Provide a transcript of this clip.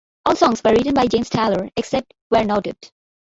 All songs were written by James Taylor except where noted.